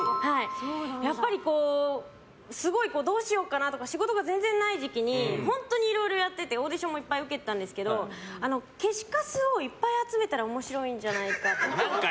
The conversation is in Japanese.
すごいどうしようかなとか仕事が全然ない時期に本当にいろいろやっていてオーディションもいっぱい受けたんですけど消しカスをいっぱい集めたら面白いんじゃないかと思って。